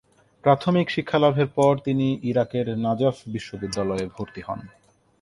প্রাথমিক শিক্ষালাভের পর তিনি ইরাকের নাজাফ বিশ্ববিদ্যালয়ে ভর্তি হন।